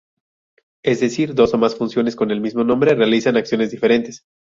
Es decir, dos o más funciones con el mismo nombre realizan acciones diferentes.